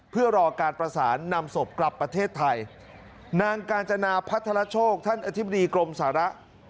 เพื่อรอการประสานนำศพกลับประเทศไทยนางกาญจนาพัทรโชคท่านอธิบดีกรมสาระ